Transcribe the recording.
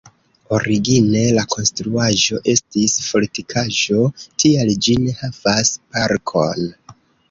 Origine la konstruaĵo estis fortikaĵo, tial ĝi ne havas parkon.